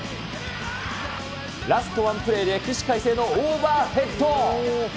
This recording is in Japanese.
ラストワンプレーで、起死回生のオーバーヘッド。